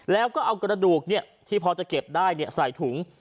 แล้วก็เอากระดูกที่พอจะเก็บได้ใส่ถุง